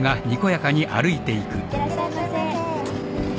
いってらっしゃいませ。